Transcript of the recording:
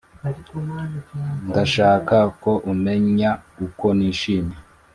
ndashaka ko umenya uko nishimye,